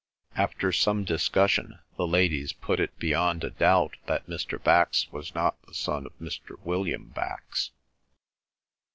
After some discussion, the ladies put it beyond a doubt that Mr. Bax was not the son of Mr. William Bax.